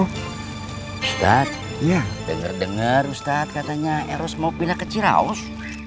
ustadz denger denger ustadz katanya eros mau pindah ke ciraus